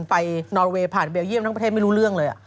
ไปนอเวย์ผ่านเบลเยี่ยมทั้งประเทศไม่รู้เรื่องเลย